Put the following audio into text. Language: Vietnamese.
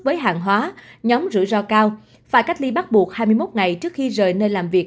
với hàng hóa nhóm rủi ro cao phải cách ly bắt buộc hai mươi một ngày trước khi rời nơi làm việc